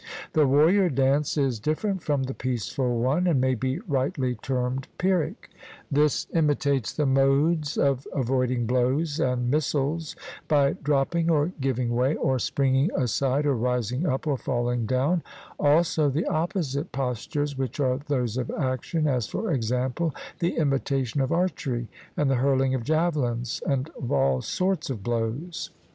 The warrior dance is different from the peaceful one, and may be rightly termed Pyrrhic; this imitates the modes of avoiding blows and missiles by dropping or giving way, or springing aside, or rising up or falling down; also the opposite postures which are those of action, as, for example, the imitation of archery and the hurling of javelins, and of all sorts of blows.